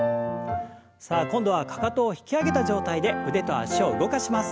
さあ今度はかかとを引き上げた状態で腕と脚を動かします。